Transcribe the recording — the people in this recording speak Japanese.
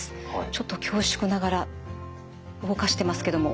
ちょっと恐縮ながら動かしてますけども。